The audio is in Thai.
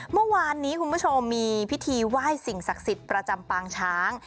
เมื่อวานนี้คุณผู้ชมมีพิธีไหว้สิ่งศักดิ์สิทธิ์ประจำปางช้าง